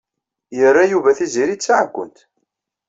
Yerra Yuba Tiziri d taɛeggunt.